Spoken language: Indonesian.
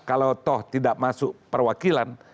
kalau toh tidak masuk perwakilan